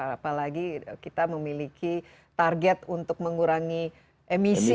apalagi kita memiliki target untuk mengurangi emisi